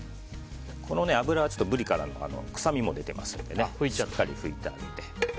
脂はブリからの臭みも出てますのでしっかり拭いてあげて。